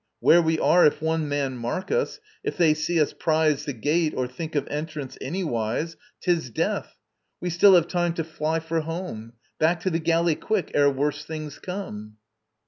Where we are, If one man mark us, if they see us prize The gate, or think of entrance anywise, 'Tis death. We still have time to fly for home: Back to the galley quick, ere worse things come!